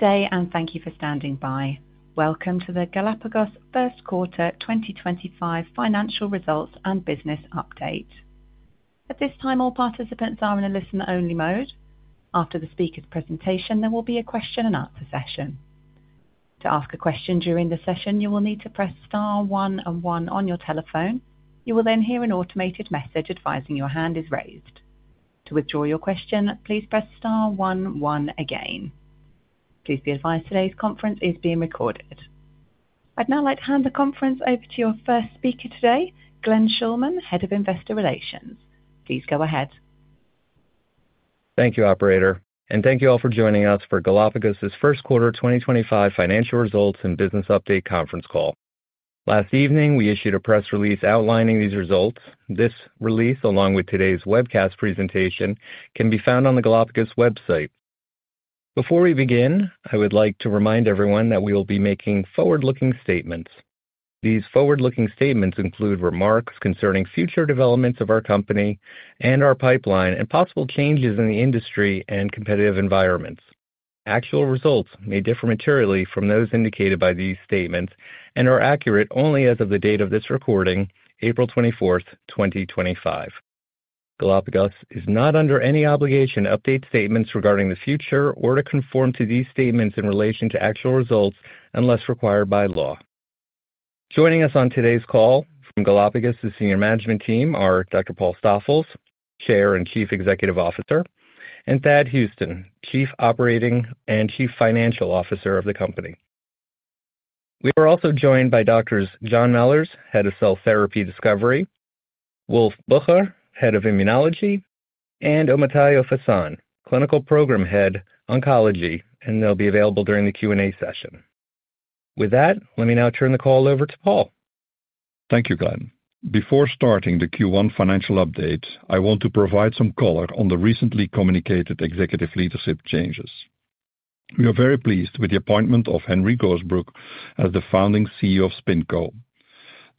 Today, and thank you for standing by. Welcome to the Galapagos First Quarter 2025 financial results and business update. At this time, all participants are in a listen-only mode. After the speaker's presentation, there will be a question-and-answer session. To ask a question during the session, you will need to press star one, and one on your telephone. You will then hear an automated message advising your hand is raised. To withdraw your question, please press star one, one again. Please be advised today's conference is being recorded. I'd now like to hand the conference over to your first speaker today, Glenn Schulman, Head of Investor Relations. Please go ahead. Thank you, Operator, and thank you all for joining us for Galapagos' First Quarter 2025 financial results and business update conference call. Last evening, we issued a press release outlining these results. This release, along with today's webcast presentation, can be found on the Galapagos website. Before we begin, I would like to remind everyone that we will be making forward-looking statements. These forward-looking statements include remarks concerning future developments of our company and our pipeline, and possible changes in the industry and competitive environments. Actual results may differ materially from those indicated by these statements and are accurate only as of the date of this recording, April 24, 2025. Galapagos is not under any obligation to update statements regarding the future or to conform to these statements in relation to actual results unless required by law. Joining us on today's call from Galapagos' Senior Management Team are Dr. Paul Stoffels, Chair and Chief Executive Officer, and Thad Huston, Chief Operating and Chief Financial Officer of the company. We are also joined by Doctors John Mellors, Head of Cell Therapy Discovery; Wulf Bocher, Head of Immunology; and Omotayo Fasan, Clinical Program Head, Oncology, and they'll be available during the Q&A session. With that, let me now turn the call over to Paul. Thank you, Glenn. Before starting the Q1 financial update, I want to provide some color on the recently communicated executive leadership changes. We are very pleased with the appointment of Henry Gosebruch as the founding CEO of SpinCo.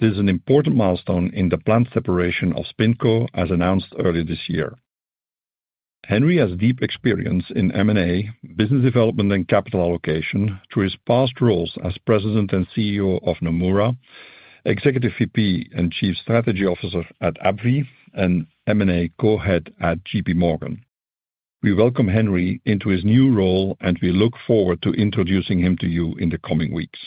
This is an important milestone in the planned separation of SpinCo, as announced earlier this year. Henry has deep experience in M&A, business development, and capital allocation through his past roles as President and CEO of Nomura, Executive VP and Chief Strategy Officer at AbbVie, and M&A Co-Head at J.P. Morgan. We welcome Henry into his new role, and we look forward to introducing him to you in the coming weeks.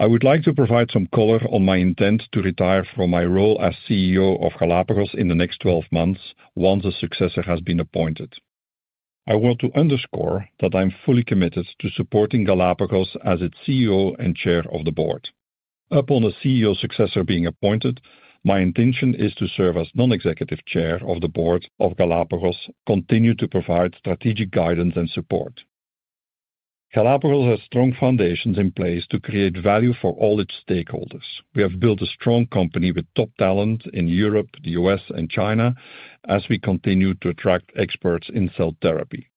I would like to provide some color on my intent to retire from my role as CEO of Galapagos in the next 12 months, once a successor has been appointed. I want to underscore that I'm fully committed to supporting Galapagos as its CEO and Chair of the Board. Upon a CEO successor being appointed, my intention is to serve as non-executive Chair of the Board of Galapagos, continue to provide strategic guidance and support. Galapagos has strong foundations in place to create value for all its stakeholders. We have built a strong company with top talent in Europe, the U.S., and China as we continue to attract experts in cell therapy.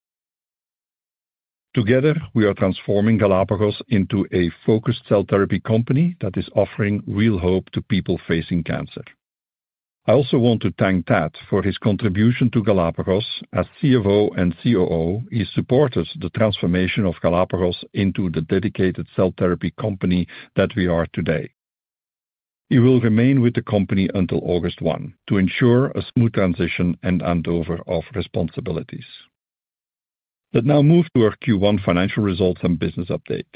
Together, we are transforming Galapagos into a focused cell therapy company that is offering real hope to people facing cancer. I also want to thank Thad for his contribution to Galapagos as CFO and COO. He supported the transformation of Galapagos into the dedicated cell therapy company that we are today. He will remain with the company until August 1 to ensure a smooth transition and handover of responsibilities. Let's now move to our Q1 financial results and business update.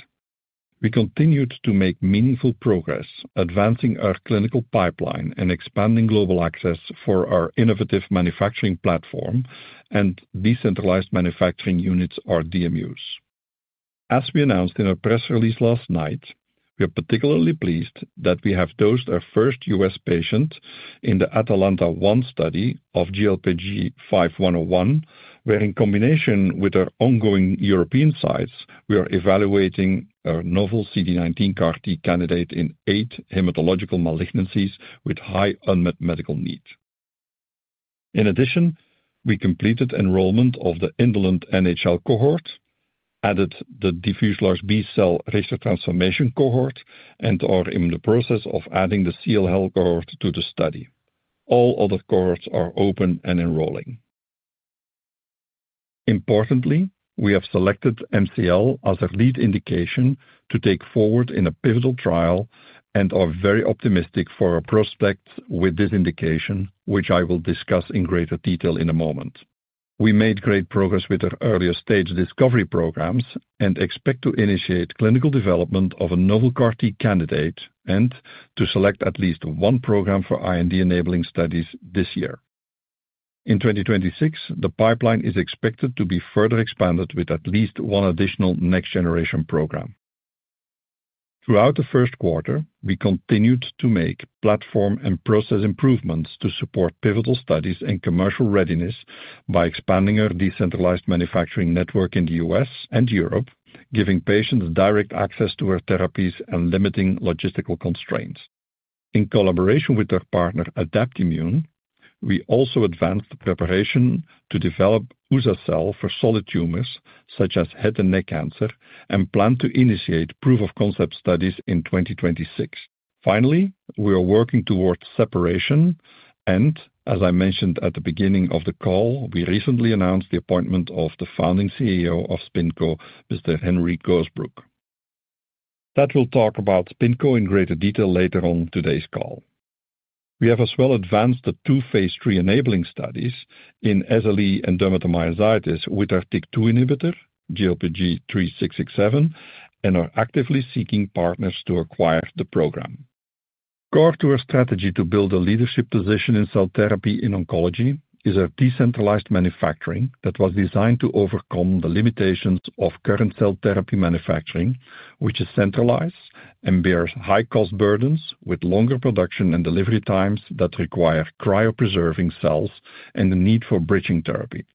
We continued to make meaningful progress, advancing our clinical pipeline and expanding global access for our innovative manufacturing platform and decentralized manufacturing units, our DMUs. As we announced in our press release last night, we are particularly pleased that we have dosed our first U.S. patient in the Atalanta-1 study of GLPG5101, where in combination with our ongoing European sites, we are evaluating our novel CD19 CAR T candidate in eight hematological malignancies with high unmet medical need. In addition, we completed enrollment of the indolent NHL cohort, added the diffuse large B-cell Richter's transformation cohort, and are in the process of adding the CLL cohort to the study. All other cohorts are open and enrolling. Importantly, we have selected MCL as our lead indication to take forward in a pivotal trial and are very optimistic for our prospects with this indication, which I will discuss in greater detail in a moment. We made great progress with our earlier stage discovery programs and expect to initiate clinical development of a novel CAR T candidate and to select at least one program for IND enabling studies this year. In 2026, the pipeline is expected to be further expanded with at least one additional next generation program. Throughout the first quarter, we continued to make platform and process improvements to support pivotal studies and commercial readiness by expanding our decentralized manufacturing network in the U.S. and Europe, giving patients direct access to our therapies and limiting logistical constraints. In collaboration with our partner Adaptimmune, we also advanced the preparation to develop TCR-T cell for solid tumors such as head and neck cancer and plan to initiate proof of concept studies in 2026. Finally, we are working towards separation and, as I mentioned at the beginning of the call, we recently announced the appointment of the founding CEO of SpinCo, Mr. Henry Gosebruch. Thad will talk about SpinCo in greater detail later on today's call. We have as well advanced the two phase 3 enabling studies in SLE and dermatomyositis with our TYK2 inhibitor, GLPG3667, and are actively seeking partners to acquire the program. Core to our strategy to build a leadership position in cell therapy in oncology is our decentralized manufacturing that was designed to overcome the limitations of current cell therapy manufacturing, which is centralized and bears high cost burdens with longer production and delivery times that require cryopreserving cells and the need for bridging therapy.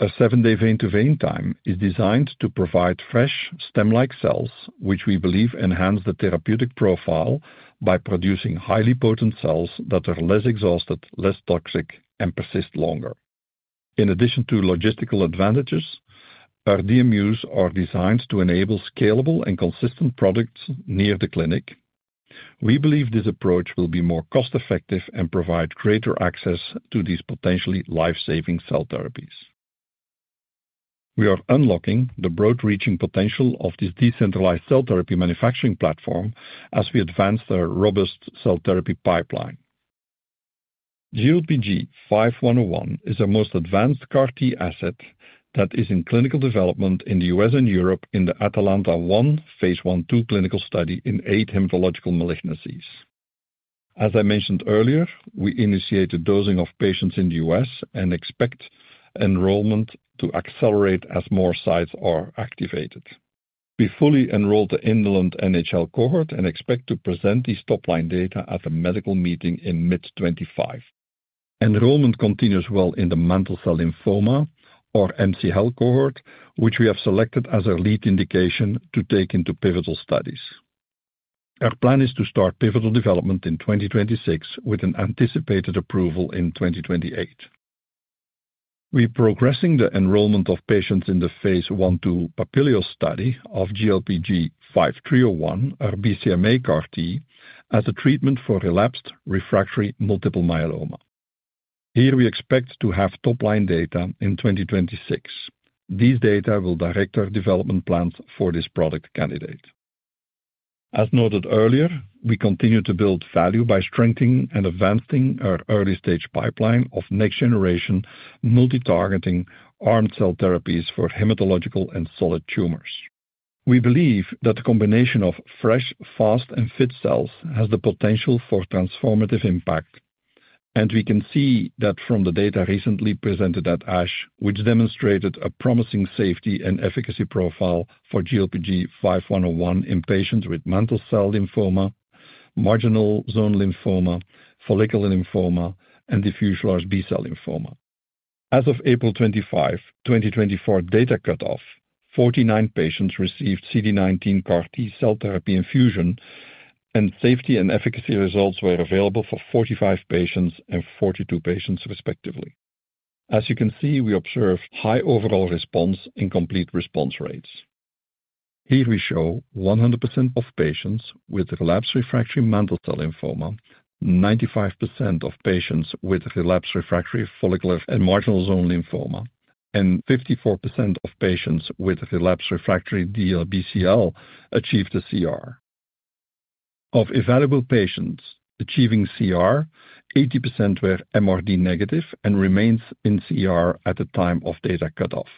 A seven-day vein-to-vein time is designed to provide fresh stem-like cells, which we believe enhance the therapeutic profile by producing highly potent cells that are less exhausted, less toxic, and persist longer. In addition to logistical advantages, our DMUs are designed to enable scalable and consistent products near the clinic. We believe this approach will be more cost-effective and provide greater access to these potentially life-saving cell therapies. We are unlocking the broad-reaching potential of this decentralized cell therapy manufacturing platform as we advance our robust cell therapy pipeline. GLPG5101 is our most advanced CAR T asset that is in clinical development in the U.S. and Europe in the Atalanta One phase I/II clinical study in eight hematological malignancies. As I mentioned earlier, we initiated dosing of patients in the U.S. and expect enrollment to accelerate as more sites are activated. We fully enrolled the indolent NHL cohort and expect to present these top line data at a medical meeting in mid-2025. Enrollment continues well in the mantle cell lymphoma, our MCL cohort, which we have selected as our lead indication to take into pivotal studies. Our plan is to start pivotal development in 2026 with an anticipated approval in 2028. We are progressing the enrollment of patients in the phase I/II Papilio study of GLPG5301, our BCMA CAR T, as a treatment for relapsed refractory multiple myeloma. Here we expect to have top line data in 2026. These data will direct our development plans for this product candidate. As noted earlier, we continue to build value by strengthening and advancing our early stage pipeline of next generation multi-targeting armed cell therapies for hematological and solid tumors. We believe that the combination of fresh, fast, and fit cells has the potential for transformative impact, and we can see that from the data recently presented at ASH, which demonstrated a promising safety and efficacy profile for GLPG5101 in patients with mantle cell lymphoma, marginal zone lymphoma, follicular lymphoma, and diffuse large B-cell lymphoma. As of April 25, 2024, data cut off, 49 patients received CD19 CAR T cell therapy infusion, and safety and efficacy results were available for 45 patients and 42 patients respectively. As you can see, we observe high overall response and complete response rates. Here we show 100% of patients with relapsed refractory mantle cell lymphoma, 95% of patients with relapsed refractory follicular and marginal zone lymphoma, and 54% of patients with relapsed refractory DLBCL achieved a CR. Of evaluable patients achieving CR, 80% were MRD negative and remained in CR at the time of data cut off.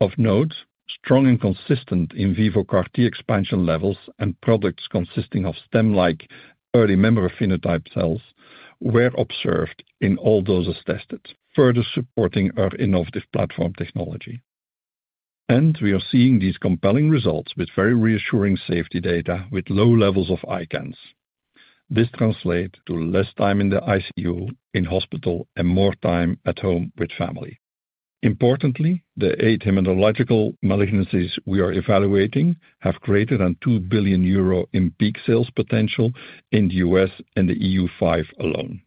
Of note, strong and consistent in vivo CAR T expansion levels and products consisting of stem-like early member phenotype cells were observed in all doses tested, further supporting our innovative platform technology. We are seeing these compelling results with very reassuring safety data with low levels of ICANS. This translates to less time in the ICU, in hospital, and more time at home with family. Importantly, the eight hematological malignancies we are evaluating have greater than 2 billion euro in peak sales potential in the U.S. and the EU five alone.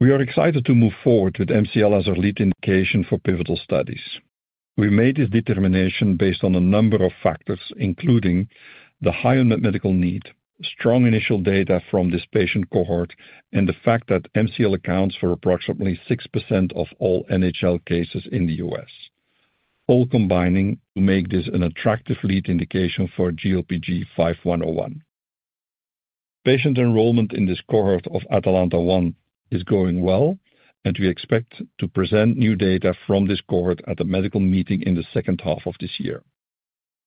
We are excited to move forward with MCL as our lead indication for pivotal studies. We made this determination based on a number of factors, including the high unmet medical need, strong initial data from this patient cohort, and the fact that MCL accounts for approximately 6% of all NHL cases in the U.S., all combining to make this an attractive lead indication for GLPG5101. Patient enrollment in this cohort of Atalanta One is going well, and we expect to present new data from this cohort at the medical meeting in the second half of this year.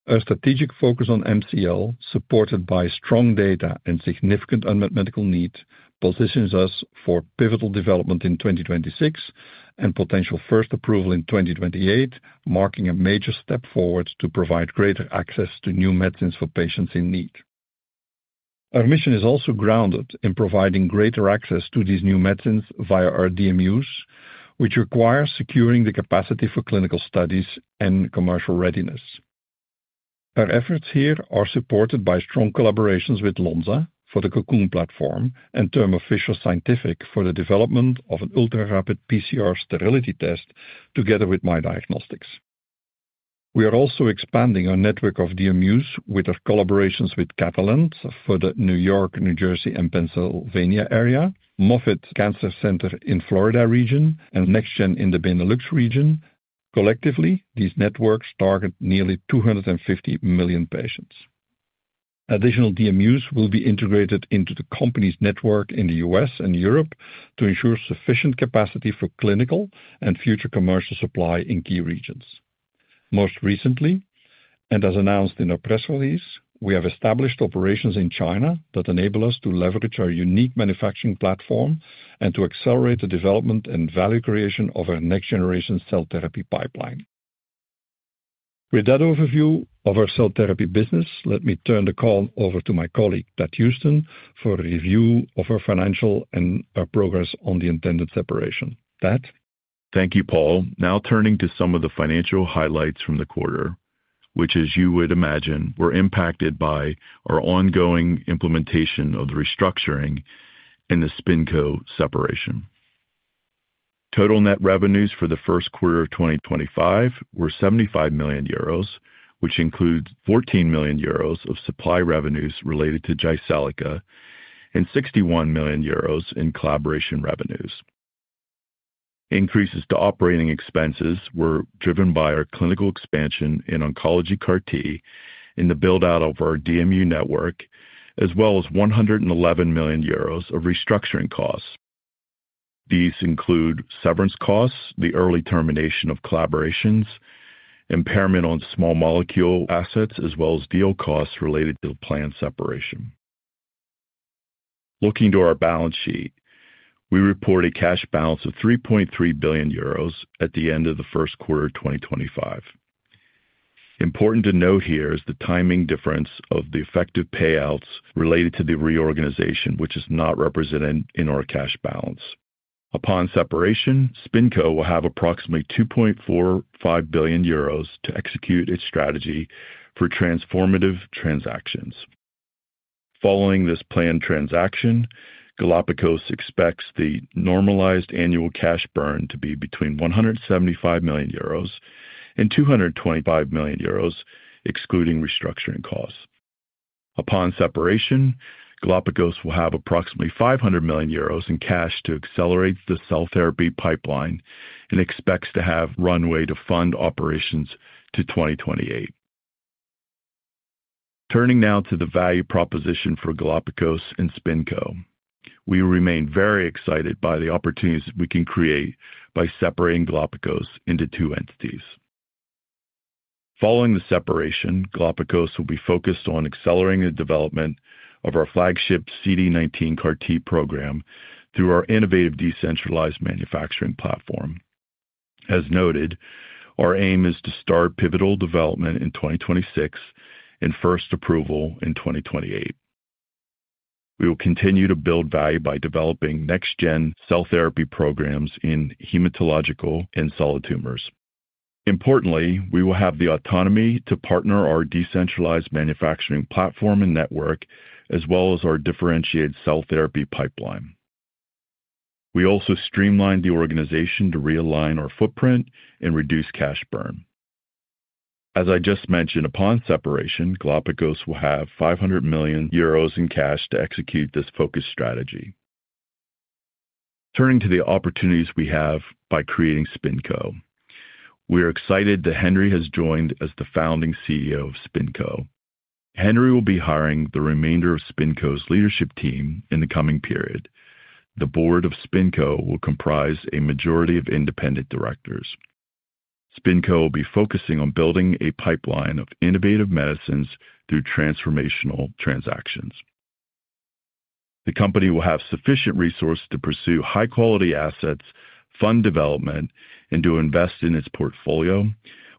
Our strategic focus on MCL, supported by strong data and significant unmet medical need, positions us for pivotal development in 2026 and potential first approval in 2028, marking a major step forward to provide greater access to new medicines for patients in need. Our mission is also grounded in providing greater access to these new medicines via our DMUs, which require securing the capacity for clinical studies and commercial readiness. Our efforts here are supported by strong collaborations with Lonza for the Cocoon platform and Thermo Fisher Scientific for the development of an ultra-rapid PCR sterility test together with MiDiagnostics. We are also expanding our network of DMUs with our collaborations with Catalent for the New York, New Jersey, and Pennsylvania area, Moffitt Cancer Center in Florida region, and NecstGen in the Benelux region. Collectively, these networks target nearly 250 million patients. Additional DMUs will be integrated into the company's network in the U.S. and Europe to ensure sufficient capacity for clinical and future commercial supply in key regions. Most recently, and as announced in our press release, we have established operations in China that enable us to leverage our unique manufacturing platform and to accelerate the development and value creation of our next generation cell therapy pipeline. With that overview of our cell therapy business, let me turn the call over to my colleague Thad Huston for a review of our financial and our progress on the intended separation. Thad, thank you, Paul. Now turning to some of the financial highlights from the quarter, which, as you would imagine, were impacted by our ongoing implementation of the restructuring in the SpinCo separation. Total net revenues for the first quarter of 2025 were 75 million euros, which includes 14 million euros of supply revenues related to Jyseleca and 61 million euros in collaboration revenues. Increases to operating expenses were driven by our clinical expansion in oncology CAR T in the build-out of our DMU network, as well as 111 million euros of restructuring costs. These include severance costs, the early termination of collaborations, impairment on small molecule assets, as well as deal costs related to the planned separation. Looking to our balance sheet, we report a cash balance of 3.3 billion euros at the end of the first quarter of 2025. Important to note here is the timing difference of the effective payouts related to the reorganization, which is not represented in our cash balance. Upon separation, SpinCo will have approximately 2.45 billion euros to execute its strategy for transformative transactions. Following this planned transaction, Galapagos expects the normalized annual cash burn to be between 175 million-225 million euros, excluding restructuring costs. Upon separation, Galapagos will have approximately 500 million euros in cash to accelerate the cell therapy pipeline and expects to have runway to fund operations to 2028. Turning now to the value proposition for Galapagos and SpinCo, we remain very excited by the opportunities we can create by separating Galapagos into two entities. Following the separation, Galapagos will be focused on accelerating the development of our flagship CD19 CAR T program through our innovative decentralized manufacturing platform. As noted, our aim is to start pivotal development in 2026 and first approval in 2028. We will continue to build value by developing next gen cell therapy programs in hematological and solid tumors. Importantly, we will have the autonomy to partner our decentralized manufacturing platform and network, as well as our differentiated cell therapy pipeline. We also streamline the organization to realign our footprint and reduce cash burn. As I just mentioned, upon separation, Galapagos will have 500 million euros in cash to execute this focused strategy. Turning to the opportunities we have by creating SpinCo, we are excited that Henry has joined as the founding CEO of SpinCo. Henry will be hiring the remainder of SpinCo's leadership team in the coming period. The board of SpinCo will comprise a majority of independent directors. SpinCo will be focusing on building a pipeline of innovative medicines through transformational transactions. The company will have sufficient resources to pursue high-quality assets, fund development, and to invest in its portfolio,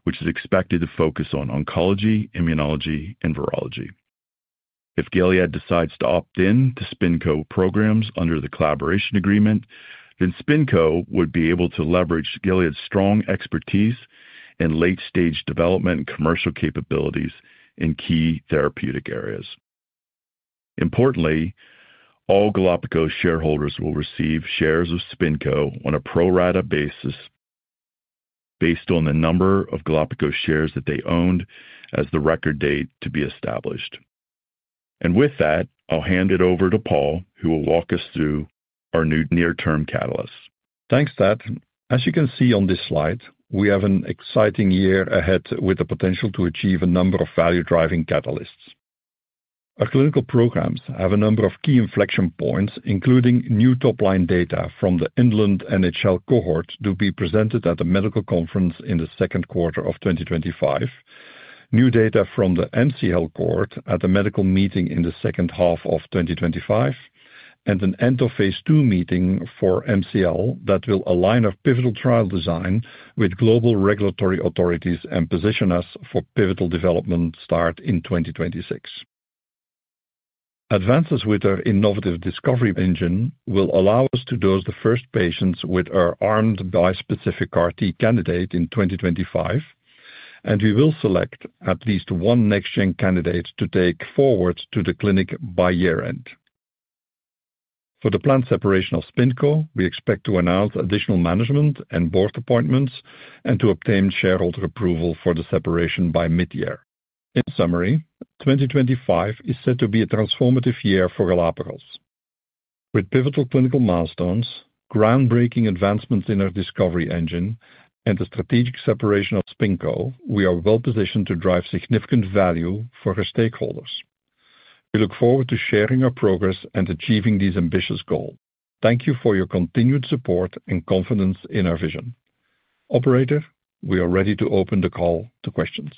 which is expected to focus on oncology, immunology, and virology. If Gilead decides to opt in to SpinCo programs under the collaboration agreement, then SpinCo would be able to leverage Gilead's strong expertise and late-stage development and commercial capabilities in key therapeutic areas. Importantly, all Galapagos shareholders will receive shares of SpinCo on a pro rata basis based on the number of Galapagos shares that they owned as the record date to be established. With that, I'll hand it over to Paul, who will walk us through our new near-term catalysts. Thanks, Thad. As you can see on this slide, we have an exciting year ahead with the potential to achieve a number of value-driving catalysts. Our clinical programs have a number of key inflection points, including new top line data from the indolent NHL cohort to be presented at the medical conference in the second quarter of 2025, new data from the MCL cohort at the medical meeting in the second half of 2025, and an end of phase II meeting for MCL that will align our pivotal trial design with global regulatory authorities and position us for pivotal development start in 2026. Advances with our innovative discovery engine will allow us to dose the first patients with our armed bispecific CAR T candidate in 2025, and we will select at least one next gen candidate to take forward to the clinic by year end. For the planned separation of SpinCo, we expect to announce additional management and board appointments and to obtain shareholder approval for the separation by mid-year. In summary, 2025 is set to be a transformative year for Galapagos. With pivotal clinical milestones, groundbreaking advancements in our discovery engine, and the strategic separation of SpinCo, we are well positioned to drive significant value for our stakeholders. We look forward to sharing our progress and achieving these ambitious goals. Thank you for your continued support and confidence in our vision. Operator, we are ready to open the call to questions.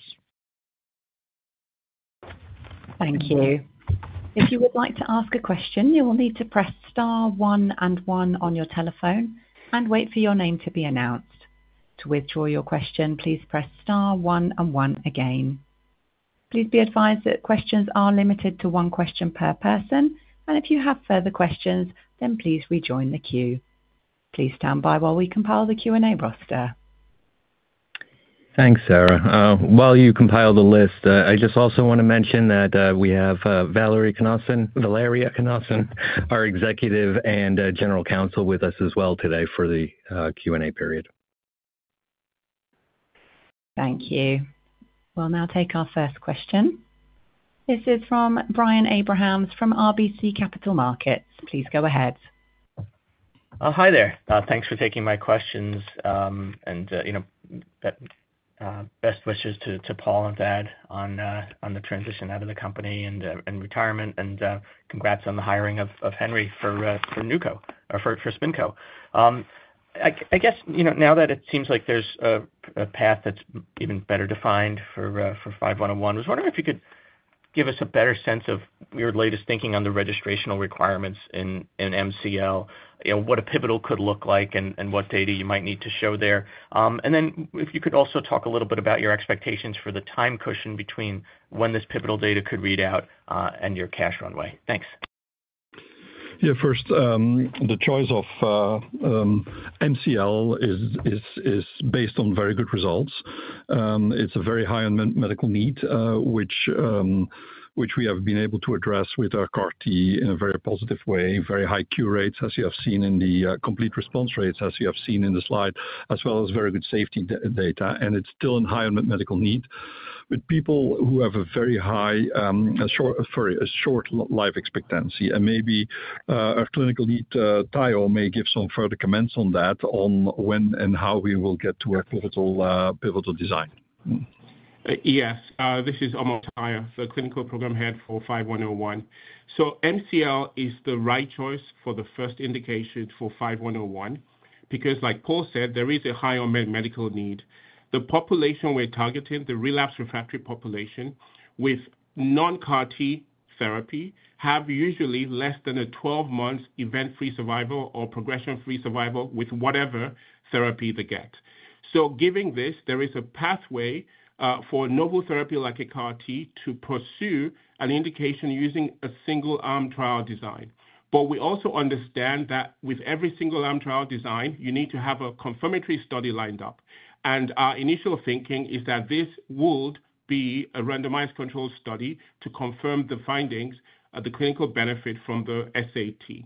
Thank you. If you would like to ask a question, you will need to press star one and one on your telephone and wait for your name to be announced. To withdraw your question, please press star one and one again. Please be advised that questions are limited to one question per person, and if you have further questions, then please rejoin the queue. Please stand by while we compile the Q&A roster. Thanks, Sarah. While you compile the list, I just also want to mention that we have Valeria Cnossen, our Executive and General Counsel, with us as well today for the Q&A period. Thank you. We'll now take our first question. This is from Brian Abrahams from RBC Capital Markets. Please go ahead. Hi there. Thanks for taking my questions. Best wishes to Paul and Thad on the transition out of the company and retirement. Congrats on the hiring of Henry for SpinCo. I guess now that it seems like there's a path that's even better defined for 5101, I was wondering if you could give us a better sense of your latest thinking on the registrational requirements in MCL, what a pivotal could look like, and what data you might need to show there. If you could also talk a little bit about your expectations for the time cushion between when this pivotal data could read out and your cash runway. Thanks. First, the choice of MCL is based on very good results. It is a very high unmet medical need, which we have been able to address with our CAR T in a very positive way, very high cure rates, as you have seen in the complete response rates, as you have seen in the slide, as well as very good safety data. It is still a high unmet medical need with people who have a very high, sorry, a short life expectancy. Maybe our clinical lead, Tayo, may give some further comments on that, on when and how we will get to our pivotal design. Yes, this is Omotayo, Clinical Program Head for 5101. MCL is the right choice for the first indication for 5101 because, like Paul said, there is a high unmet medical need. The population we're targeting, the relapse refractory population with non-CAR T therapy, have usually less than a 12-month event-free survival or progression-free survival with whatever therapy they get. Given this, there is a pathway for a novel therapy like a CAR T to pursue an indication using a single-arm trial design. We also understand that with every single-arm trial design, you need to have a confirmatory study lined up. Our initial thinking is that this would be a randomized controlled study to confirm the findings of the clinical benefit from the SAT.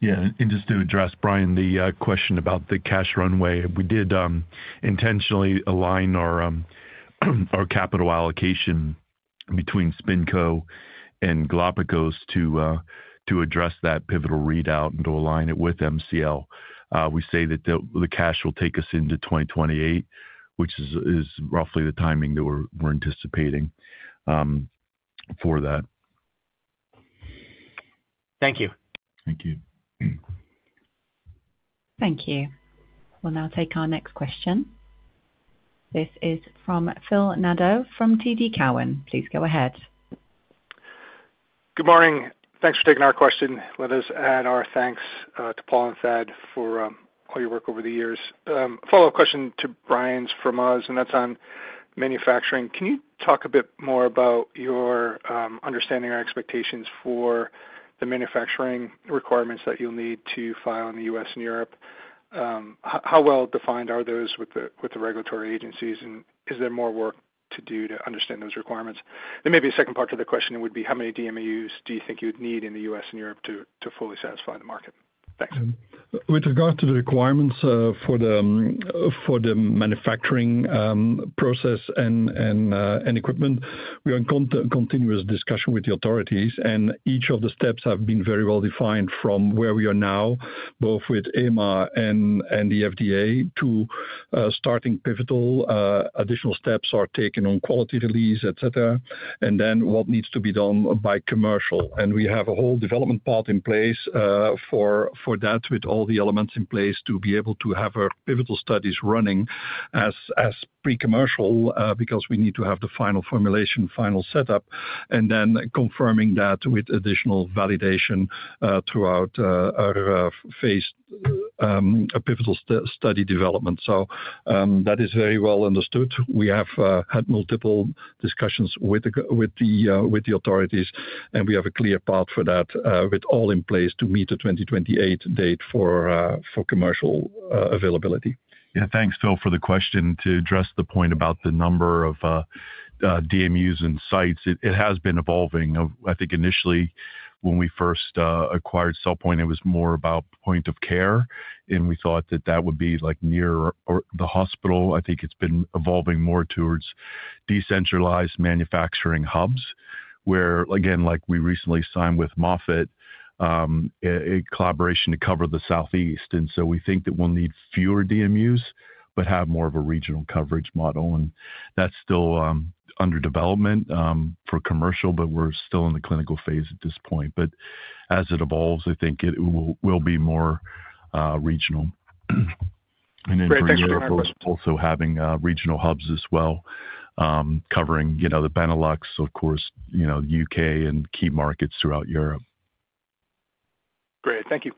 Yeah, and just to address, Brian, the question about the cash runway, we did intentionally align our capital allocation between SpinCo and Galapagos to address that pivotal readout and to align it with MCL. We say that the cash will take us into 2028, which is roughly the timing that we're anticipating for that. Thank you. Thank you. Thank you. We'll now take our next question. This is from Phil Nadeau from TD Cowen. Please go ahead. Good morning. Thanks for taking our question. Let us add our thanks to Paul and Thad for all your work over the years. Follow-up question to Brian's from us, and that's on manufacturing. Can you talk a bit more about your understanding or expectations for the manufacturing requirements that you'll need to file in the U.S. and Europe? How well defined are those with the regulatory agencies, and is there more work to do to understand those requirements? Maybe a second part to the question would be, how many DMUs do you think you would need in the U.S. and Europe to fully satisfy the market? Thanks. With regard to the requirements for the manufacturing process and equipment, we are in continuous discussion with the authorities, and each of the steps have been very well defined from where we are now, both with EMA and the FDA, to starting pivotal additional steps are taken on quality release, etc., and then what needs to be done by commercial. We have a whole development pod in place for that, with all the elements in place to be able to have our pivotal studies running as pre-commercial because we need to have the final formulation, final setup, and then confirming that with additional validation throughout our phased pivotal study development. That is very well understood. We have had multiple discussions with the authorities, and we have a clear path for that with all in place to meet the 2028 date for commercial availability. Yeah, thanks, Phil, for the question to address the point about the number of DMUs and sites. It has been evolving. I think initially when we first acquired CellPoint, it was more about point of care, and we thought that that would be like near the hospital. I think it's been evolving more towards decentralized manufacturing hubs where, again, like we recently signed with Moffitt, a collaboration to cover the Southeast. We think that we'll need fewer DMUs but have more of a regional coverage model. That's still under development for commercial, but we're still in the clinical phase at this point. As it evolves, I think it will be more regional. In terms of also having regional hubs as well, covering the Benelux, of course, the U.K., and key markets throughout Europe. Great. Thank you.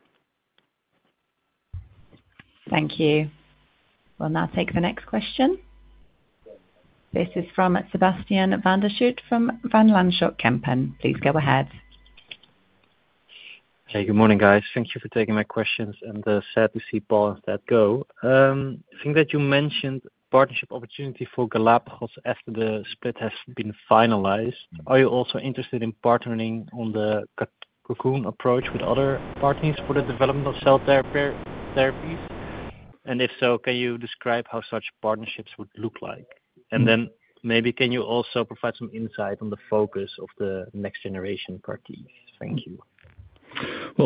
Thank you. We'll now take the next question. This is from Sebastiaan van der Schoot from Van Lanschot Kempen. Please go ahead. Hey, good morning, guys. Thank you for taking my questions and sad to see Paul and Thad go. I think that you mentioned partnership opportunity for Galapagos after the split has been finalized. Are you also interested in partnering on the Cocoon approach with other parties for the development of cell therapies? If so, can you describe how such partnerships would look like? Maybe can you also provide some insight on the focus of the next generation CAR T? Thank you.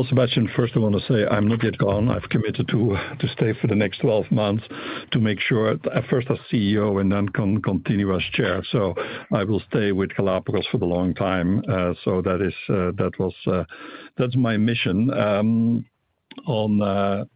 Sebastian, first, I want to say I'm not yet gone. I've committed to stay for the next 12 months to make sure at first as CEO and then continue as chair. I will stay with Galapagos for the long time. That was my mission. On the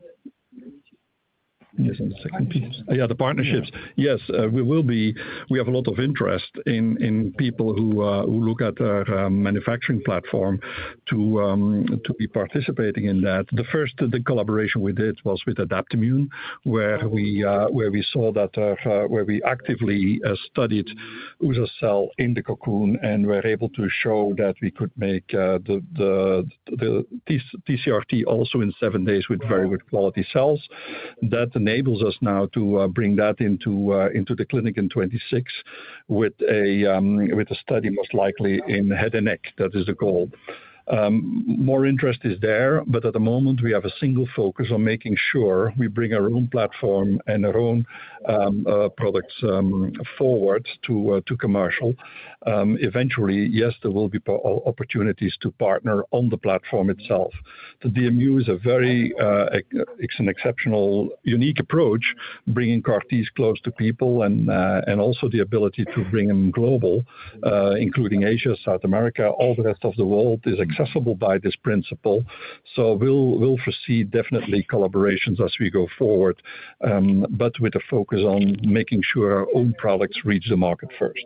second piece. Yes, the partnerships. Yes, we will be. We have a lot of interest in people who look at our manufacturing platform to be participating in that. The first, the collaboration we did was with Adaptimmune, where we saw that where we actively studied with a cell in the Cocoon and were able to show that we could make the TCR-T also in seven days with very good quality cells. That enables us now to bring that into the clinic in 2026 with a study most likely in head and neck. That is the goal. More interest is there, but at the moment, we have a single focus on making sure we bring our own platform and our own products forward to commercial. Eventually, yes, there will be opportunities to partner on the platform itself. The DMU is a very exceptional, unique approach, bringing CAR Ts close to people and also the ability to bring them global, including Asia, South America, all the rest of the world is accessible by this principle. We'll foresee definitely collaborations as we go forward, but with a focus on making sure our own products reach the market first.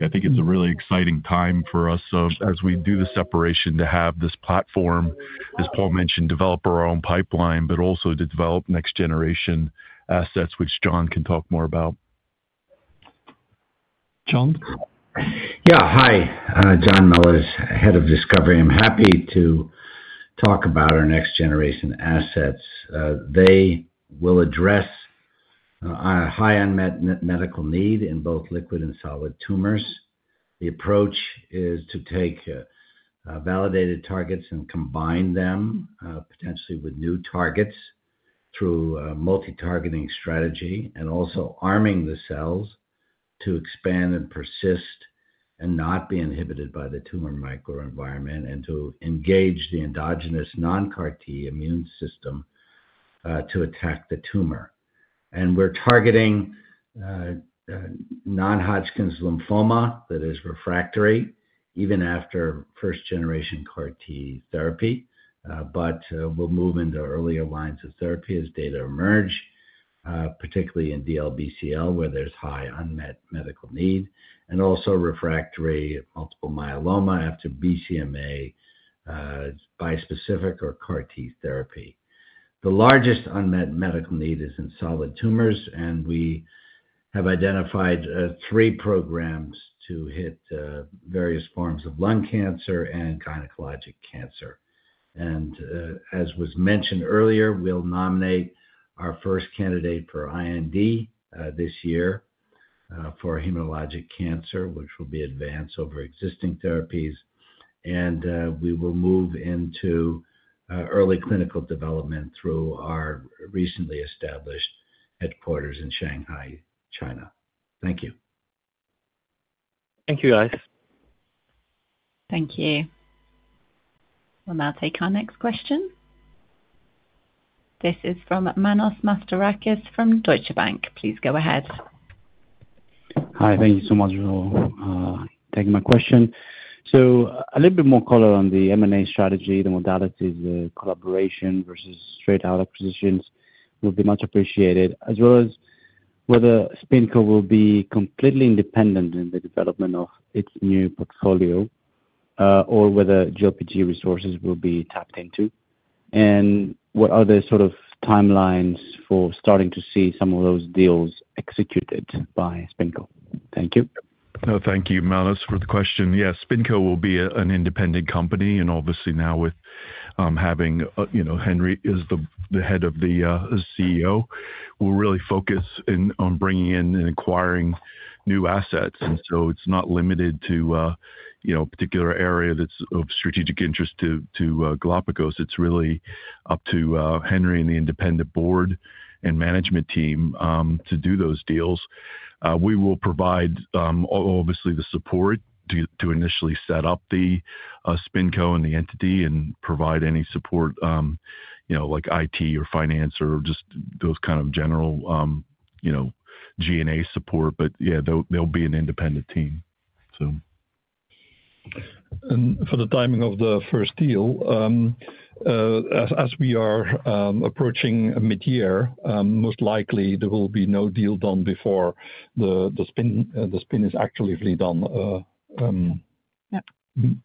Yeah, I think it's a really exciting time for us as we do the separation to have this platform, as Paul mentioned, develop our own pipeline, but also to develop next-generation assets, which John can talk more about. John? Yeah, hi. John Mellors, Head of Discovery. I'm happy to talk about our next-generation assets. They will address a high unmet medical need in both liquid and solid tumors. The approach is to take validated targets and combine them potentially with new targets through a multi-targeting strategy and also arming the cells to expand and persist and not be inhibited by the tumor microenvironment and to engage the endogenous non-CAR T immune system to attack the tumor. We're targeting non-Hodgkin lymphoma that is refractory even after first-generation CAR T therapy, but we'll move into earlier lines of therapy as data emerge, particularly in DLBCL where there's high unmet medical need and also refractory multiple myeloma after BCMA bispecific or CAR T therapy. The largest unmet medical need is in solid tumors, and we have identified three programs to hit various forms of lung cancer and gynecologic cancer. As was mentioned earlier, we'll nominate our first candidate for IND this year for hematologic cancer, which will be advanced over existing therapies. We will move into early clinical development through our recently established headquarters in Shanghai, China. Thank you. Thank you, guys. Thank you. We'll now take our next question. This is from Manos Mastorakis from Deutsche Bank. Please go ahead. Hi, thank you so much for taking my question. A little bit more color on the M&A strategy, the modalities, the collaboration versus straight-out acquisitions will be much appreciated, as well as whether SpinCo will be completely independent in the development of its new portfolio or whether GLPG resources will be tapped into and what are the sort of timelines for starting to see some of those deals executed by SpinCo. Thank you. Thank you, Manos, for the question. Yes, SpinCo will be an independent company. Obviously now with having Henry as the CEO, we will really focus on bringing in and acquiring new assets. It is not limited to a particular area that is of strategic interest to Galapagos. It is really up to Henry and the independent board and management team to do those deals. We will provide, obviously, the support to initially set up the SpinCo and the entity and provide any support like IT or finance or just those kind of general G&A support. Yeah, they'll be an independent team, so. For the timing of the first deal, as we are approaching mid-year, most likely there will be no deal done before the spin is actually done.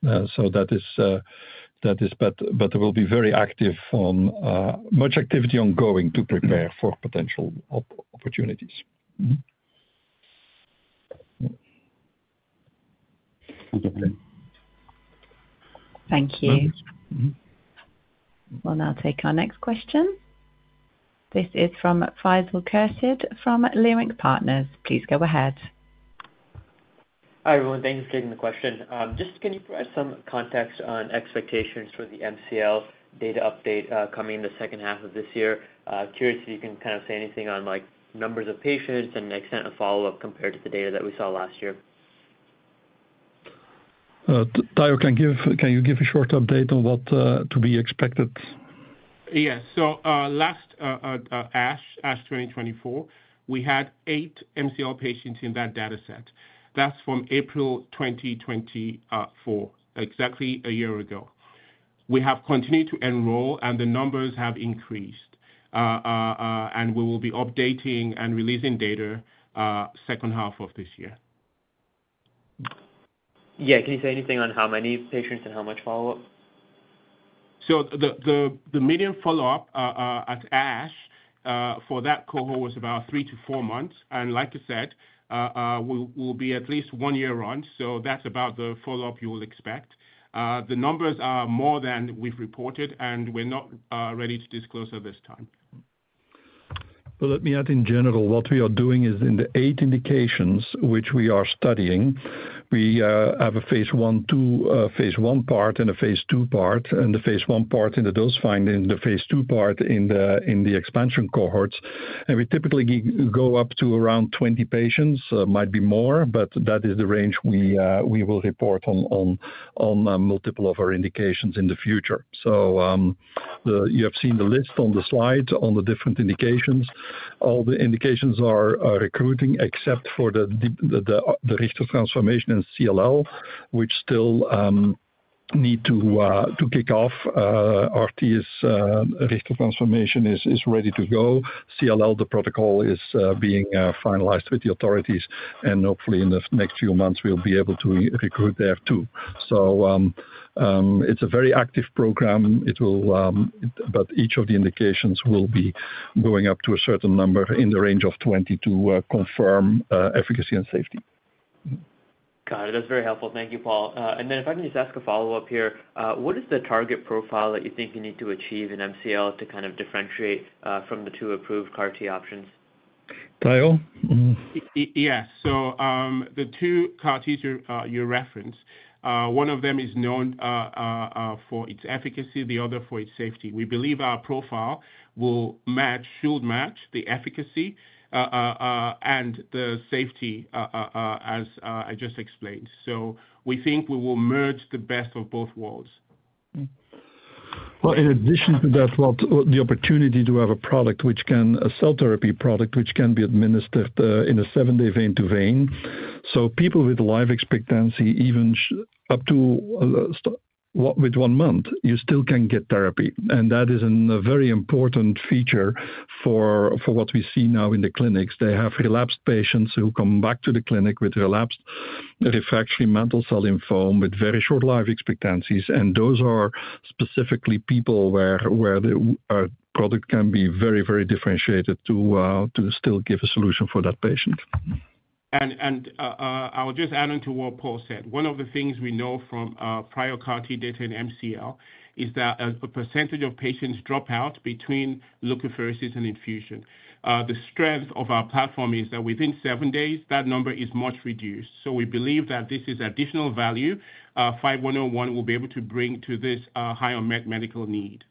That is, there will be very active much activity ongoing to prepare for potential opportunities. Thank you. Thank you. We'll now take our next question. This is from Faisal Khurshid from Leerink Partners. Please go ahead. Hi, everyone. Thank you for taking the question. Just can you provide some context on expectations for the MCL data update coming in the second half of this year? Curious if you can kind of say anything on numbers of patients and the extent of follow-up compared to the data that we saw last year. Thad Huston, can you give a short update on what to be expected? Yes. Last ASH 2024, we had eight MCL patients in that dataset. That is from April 2024, exactly a year ago. We have continued to enroll, and the numbers have increased. We will be updating and releasing data second half of this year. Yeah. Can you say anything on how many patients and how much follow-up? The median follow-up at ASH for that cohort was about three to four months. Like I said, we will be at least one year on. That is about the follow-up you will expect. The numbers are more than we have reported, and we are not ready to disclose at this time. Let me add in general, what we are doing is in the eight indications which we are studying, we have a phase I, two phase I part and a phase II part, and the phase I part in the dose findings, the phase II part in the expansion cohorts. We typically go up to around 20 patients, might be more, but that is the range we will report on multiple of our indications in the future. You have seen the list on the slide on the different indications. All the indications are recruiting except for the Richter transformation and CLL, which still need to kick off. Richter's transformation is ready to go. CLL, the protocol is being finalized with the authorities, and hopefully in the next few months, we'll be able to recruit there too. It is a very active program, but each of the indications will be going up to a certain number in the range of 20 to confirm efficacy and safety. Got it. That is very helpful. Thank you, Paul. If I can just ask a follow-up here, what is the target profile that you think you need to achieve in MCL to kind of differentiate from the two approved CAR T options? Tyler? Yes. The two CAR Ts you referenced, one of them is known for its efficacy, the other for its safety. We believe our profile will match, should match the efficacy and the safety as I just explained. We think we will merge the best of both worlds. In addition to that, the opportunity to have a product which can, a cell therapy product which can be administered in a seven-day vein to vein. People with life expectancy, even up to one month, you still can get therapy. That is a very important feature for what we see now in the clinics. They have relapsed patients who come back to the clinic with relapsed refractory mantle cell lymphoma with very short life expectancies. Those are specifically people where the product can be very, very differentiated to still give a solution for that patient. I'll just add on to what Paul said. One of the things we know from prior CAR T data in MCL is that a percentage of patients drop out between leukapheresis and infusion. The strength of our platform is that within seven days, that number is much reduced. We believe that this is additional value 5101 will be able to bring to this high unmet medical need.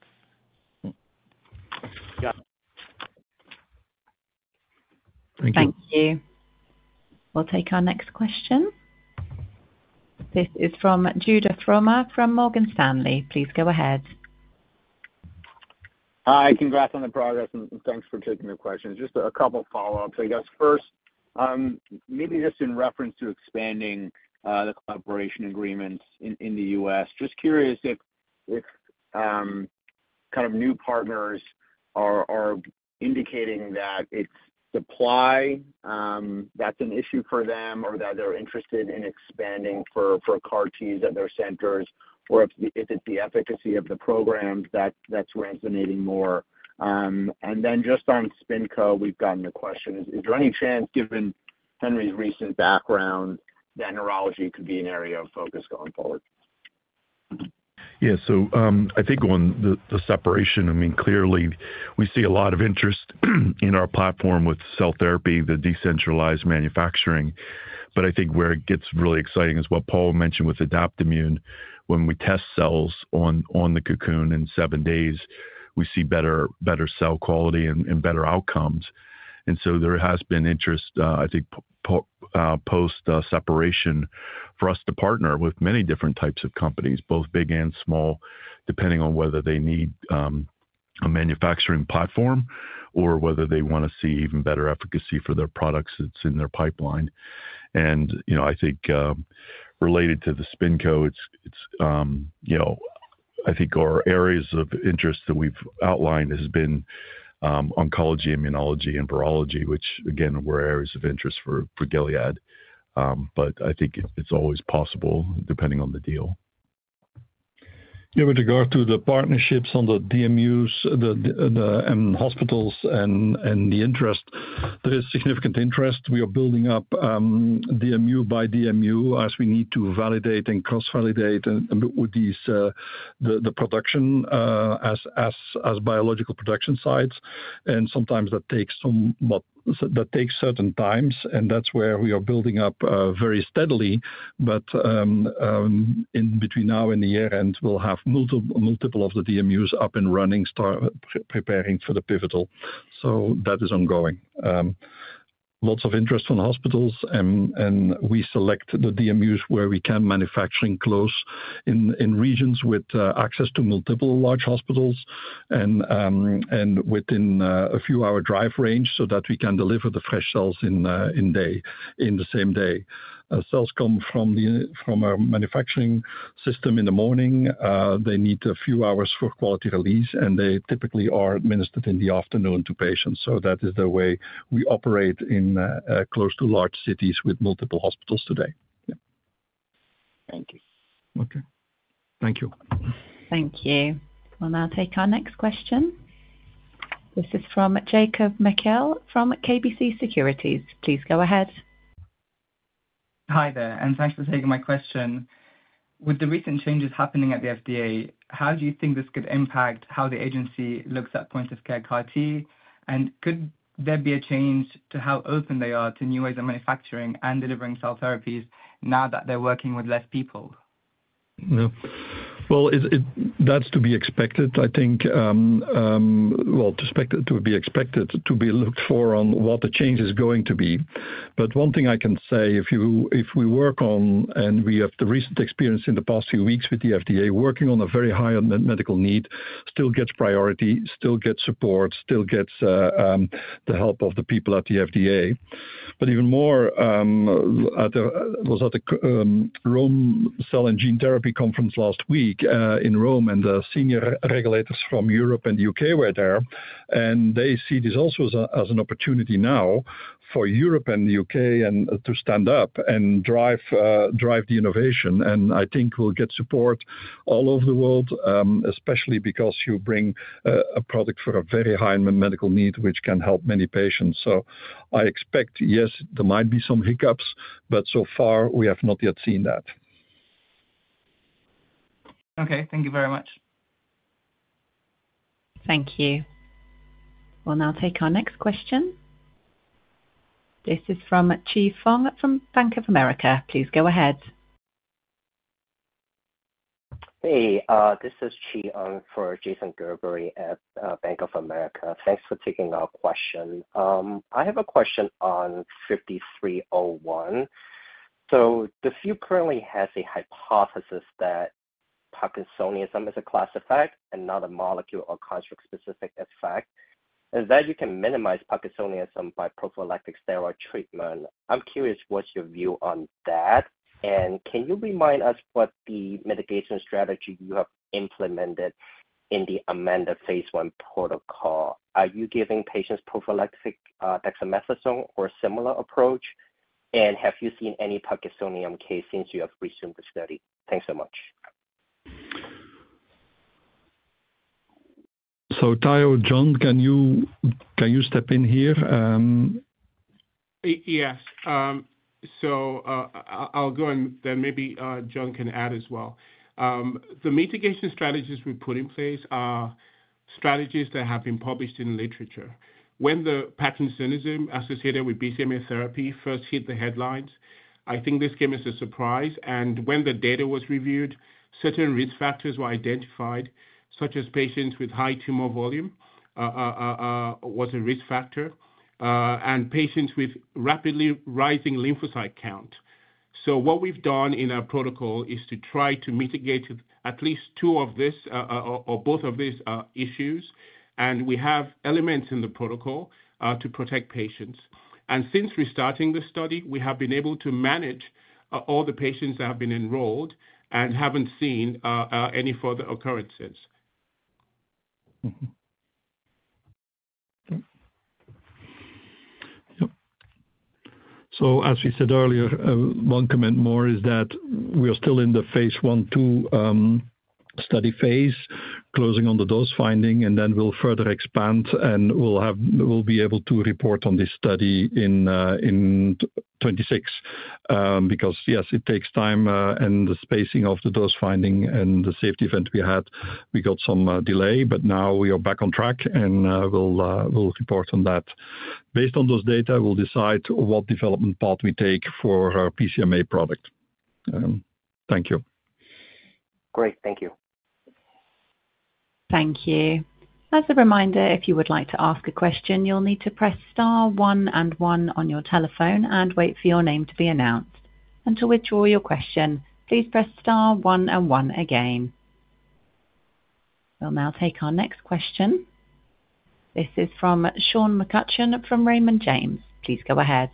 Thank you. Thank you. We'll take our next question. This is from Judah Frommer from Morgan Stanley. Please go ahead. Hi. Congrats on the progress, and thanks for taking the question. Just a couple of follow-ups, I guess. First, maybe just in reference to expanding the collaboration agreements in the U.S., just curious if kind of new partners are indicating that it's supply that's an issue for them or that they're interested in expanding for CAR Ts at their centers or if it's the efficacy of the programs that's resonating more. And then just on SpinCo, we've gotten the question, is there any chance given Henry's recent background that neurology could be an area of focus going forward? Yeah. I think on the separation, I mean, clearly, we see a lot of interest in our platform with cell therapy, the decentralized manufacturing. I think where it gets really exciting is what Paul mentioned with Adaptimmune. When we test cells on the Cocoon in seven days, we see better cell quality and better outcomes. There has been interest, I think, post-separation for us to partner with many different types of companies, both big and small, depending on whether they need a manufacturing platform or whether they want to see even better efficacy for their products that are in their pipeline. I think related to the SpinCo, our areas of interest that we've outlined have been oncology, immunology, and virology, which, again, were areas of interest for Gilead. I think it's always possible depending on the deal. Yeah. With regard to the partnerships on the DMUs and hospitals and the interest, there is significant interest. We are building up DMU by DMU as we need to validate and cross-validate with the production as biological production sites. Sometimes that takes certain times. That is where we are building up very steadily. In between now and the year end, we'll have multiple of the DMUs up and running, preparing for the pivotal. That is ongoing. Lots of interest from hospitals. We select the DMUs where we can manufacture close in regions with access to multiple large hospitals and within a few-hour drive range so that we can deliver the fresh cells in the same day. Cells come from our manufacturing system in the morning. They need a few hours for quality release, and they typically are administered in the afternoon to patients. That is the way we operate in close to large cities with multiple hospitals today. Yeah. Thank you. Okay. Thank you. Thank you. We'll now take our next question. This is from Jacob Mekhael from KBC Securities. Please go ahead. Hi there. And thanks for taking my question. With the recent changes happening at the FDA, how do you think this could impact how the agency looks at point-of-care CAR T? And could there be a change to how open they are to new ways of manufacturing and delivering cell therapies now that they're working with less people? That is to be expected. I think, that is to be expected to be looked for on what the change is going to be. One thing I can say, if we work on and we have the recent experience in the past few weeks with the FDA, working on a very high unmet medical need still gets priority, still gets support, still gets the help of the people at the FDA. Even more, I was at the Rome Cell and Gene Therapy Conference last week in Rome, and the senior regulators from Europe and the U.K. were there. They see this also as an opportunity now for Europe and the U.K. to stand up and drive the innovation. I think we'll get support all over the world, especially because you bring a product for a very high unmet medical need, which can help many patients. I expect, yes, there might be some hiccups, but so far we have not yet seen that. Okay. Thank you very much. Thank you. We'll now take our next question. This is from Chi Fong from Bank of America. Please go ahead. Hey. This is Chi for Jason Gerbery at Bank of America. Thanks for taking our question. I have a question on 5301. The field currently has a hypothesis that parkinsonism is a class effect and not a molecule or construct-specific effect, and that you can minimize parkinsonism by prophylactic steroid treatment. I'm curious what's your view on that. Can you remind us what the mitigation strategy you have implemented in the amended phase I protocol? Are you giving patients prophylactic dexamethasone or a similar approach? Have you seen any parkinsonian cases since you have resumed the study? Thanks so much. Tyler, John, can you step in here? Yes. I'll go and then maybe John can add as well. The mitigation strategies we put in place are strategies that have been published in the literature. When the parkinsonism associated with BCMA therapy first hit the headlines, I think this came as a surprise. When the data was reviewed, certain risk factors were identified, such as patients with high tumor volume was a risk factor and patients with rapidly rising lymphocyte count. What we've done in our protocol is to try to mitigate at least two of this or both of these issues. We have elements in the protocol to protect patients. Since restarting the study, we have been able to manage all the patients that have been enrolled and have not seen any further occurrences. As we said earlier, one comment more is that we are still in the phase I two study phase, closing on the dose finding, and then we will further expand and we will be able to report on this study in 2026 because, yes, it takes time and the spacing of the dose finding and the safety event we had, we got some delay. But now we are back on track and we'll report on that. Based on those data, we'll decide what development path we take for our BCMA product. Thank you. Great. Thank you. Thank you. As a reminder, if you would like to ask a question, you'll need to press Star One and One on your telephone and wait for your name to be announced. To withdraw your question, please press Star One and One again. We'll now take our next question. This is from Sean McCutcheon from Raymond James. Please go ahead.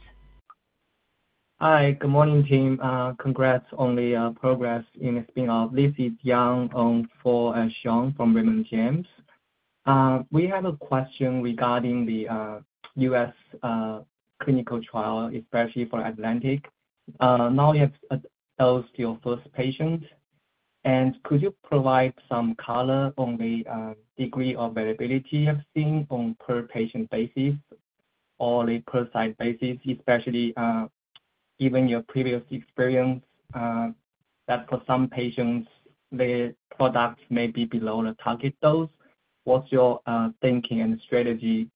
Hi. Good morning, team. Congrats on the progress in spin-off. This is Yang Ong for Sean from Raymond James. We have a question regarding the U.S. clinical trial, especially for Atalanta. Now you have dosed your first patient. Could you provide some color on the degree of availability you have seen on a per patient basis or a per site basis, especially given your previous experience that for some patients, the product may be below the target dose? What is your thinking and strategy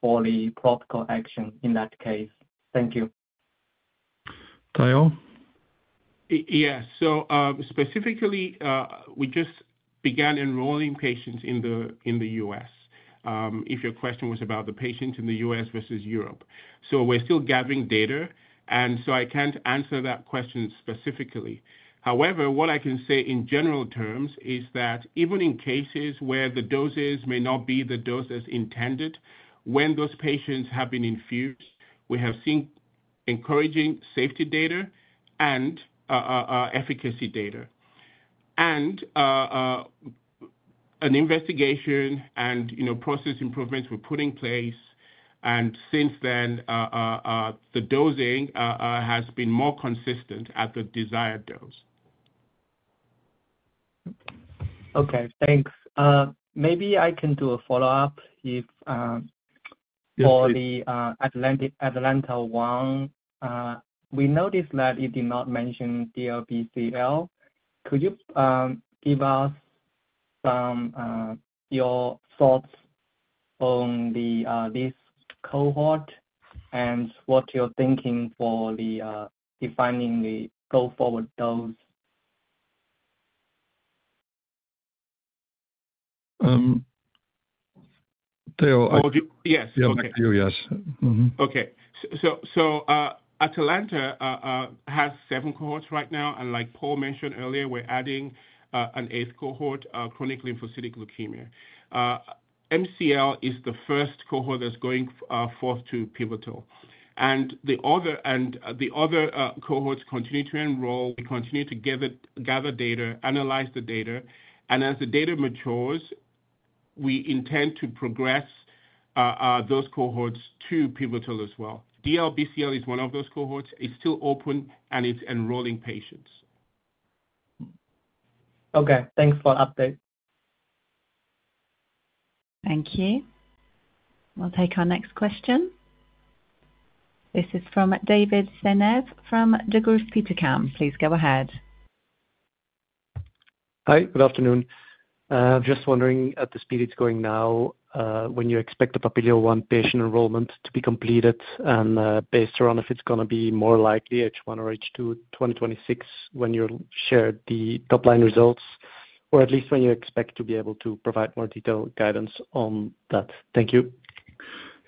for the protocol action in that case? Thank you. Tyler? Yes. Specifically, we just began enrolling patients in the U.S. if your question was about the patients in the U.S. versus Europe. We are still gathering data, and I cannot answer that question specifically. However, what I can say in general terms is that even in cases where the doses may not be the dose as intended, when those patients have been infused, we have seen encouraging safety data and efficacy data. An investigation and process improvements were put in place. Since then, the dosing has been more consistent at the desired dose. Okay. Thanks. Maybe I can do a follow-up for the Atalanta One. We noticed that it did not mention DLBCL. Could you give us some of your thoughts on this cohort and what you're thinking for defining the go forward dose? Tyler? Yes. Okay. Yes. Okay. Atalanta has seven cohorts right now. Like Paul mentioned earlier, we're adding an eighth cohort, chronic lymphocytic leukemia. MCL is the first cohort that's going forth to pivotal. The other cohorts continue to enroll. We continue to gather data, analyze the data. As the data matures, we intend to progress those cohorts to pivotal as well. DLBCL is one of those cohorts. It's still open, and it's enrolling patients. Okay. Thanks for the update. Thank you. We'll take our next question. This is from David Seynnaeve from Degroof Petercam. Please go ahead. Hi. Good afternoon. Just wondering at the speed it's going now, when you expect the Papilio-1 patient enrollment to be completed and based around if it's going to be more likely H1 or H2 2026 when you share the top-line results or at least when you expect to be able to provide more detailed guidance on that. Thank you.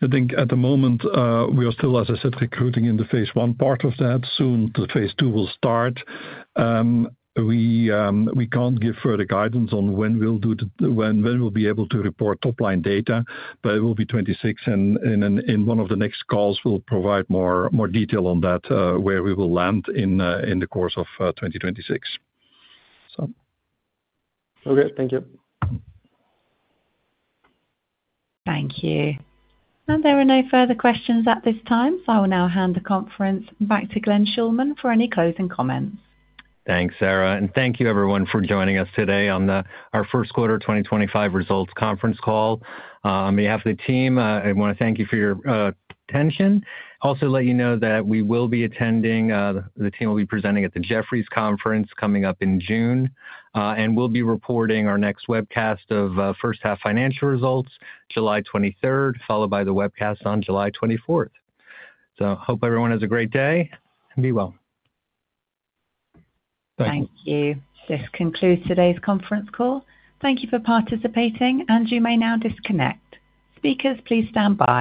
I think at the moment, we are still, as I said, recruiting in the phase I part of that. Soon, the phase II will start. We can't give further guidance on when we'll be able to report top-line data, but it will be 2026. In one of the next calls, we'll provide more detail on that, where we will land in the course of 2026. Okay. Thank you. Thank you. There are no further questions at this time. I will now hand the conference back to Glenn Schulman for any closing comments. Thanks, Sarah. Thank you, everyone, for joining us today on our First Quarter 2025 Results Conference call. On behalf of the team, I want to thank you for your attention. Also, let you know that we will be attending, the team will be presenting at the Jefferies Conference coming up in June. We will be reporting our next webcast of first-half financial results July 23rd, followed by the webcast on July 24th. Hope everyone has a great day and be well. Thank you. This concludes today's conference call. Thank you for participating, and you may now disconnect. Speakers, please stand by.